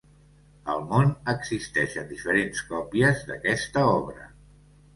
Al món existeixen diferents còpies d'aquesta obra.